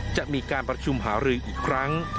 จะมีการประชุมหารืออีกครั้ง